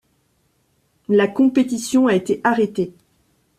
La compétition a été arrêtée.